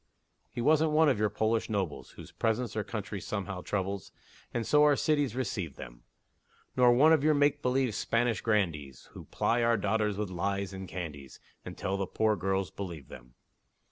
He wasn't one of your Polish nobles, Whose presence their country somehow troubles, And so our cities receive them; Nor one of your make believe Spanish grandees, Who ply our daughters with lies and candies, Until the poor girls believe them.